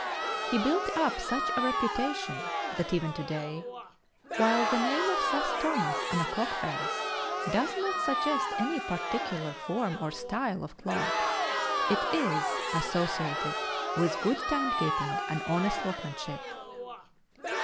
He built up such a reputation that even to day, while the name of Seth Thomas on a clock face does not suggest any particular form or style of clock, it is associated with good time keeping and honest workmanship.